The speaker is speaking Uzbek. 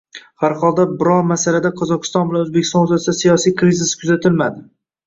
Harholda, biron masalada Qozogʻiston bilan Oʻzbekiston oʻrtasida siyosiy krizis kuzatilmadi.